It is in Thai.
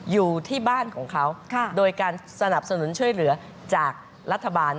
อยู่ที่บ้านของเขาโดยการสนับสนุนช่วยเหลือจากรัฐบาล